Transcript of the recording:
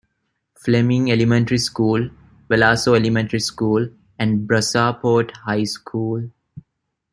Fleming Elementary School, Velasco Elementary School, and Brazosport High School.